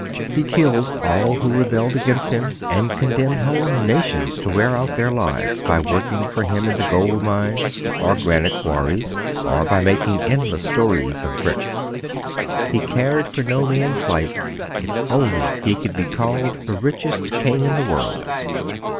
He killed all who rebelled against him, and condemned whole nations to wear out their lives by working for him in the gold mines, or granite quarries, or by making endless stores of bricks; he cared for no man's life if only he could be called the richest king in the world.